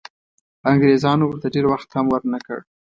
انګریزانو ورته ډېر وخت هم ورنه کړ.